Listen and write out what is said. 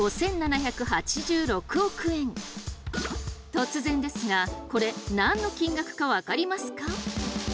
突然ですがこれ何の金額か分かりますか？